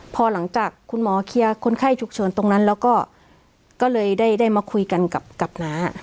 พอหลังจากคุณหมอเคลียร์คนไข้ฉุกเฉินตรงนั้นแล้วก็ก็เลยได้มาคุยกันกับน้า